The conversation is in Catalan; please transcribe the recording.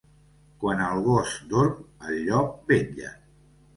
Quan el gos dorm, el llop vetlla.